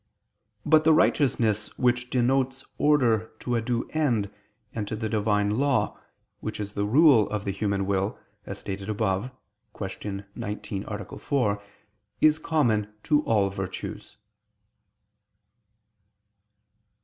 But the righteousness which denotes order to a due end and to the Divine law, which is the rule of the human will, as stated above (Q. 19, A. 4), is common to all virtues.